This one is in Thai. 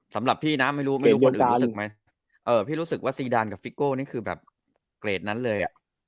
สำหรับพี่นะไม่รู้ไม่รู้คนอื่นรู้สึกไหมพี่รู้สึกว่าซีดานกับฟิโก้นี่คือแบบเกรดนั้นเลย